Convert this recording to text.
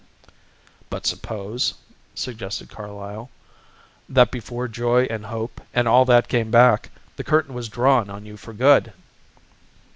"But supposing," suggested Carlyle, "that before joy and hope and all that came back the curtain was drawn on you for good?"